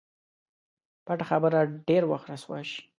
پټه خبره ډېر وخت رسوا شي.